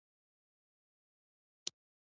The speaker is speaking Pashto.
دینګ په ګوند کې بشپړ او بنسټیز اصلاحات رامنځته کړي.